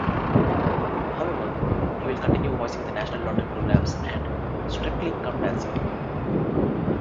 However, he will continue voicing the National Lottery programmes and "Strictly Come Dancing".